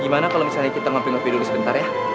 gimana kalau misalnya kita ngapain ngapain dulu sebentar ya